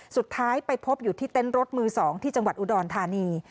สุดท้ายไปพบอยู่ที่เต็นต์รถมือ๒ที่จังหวัดอุดรธานี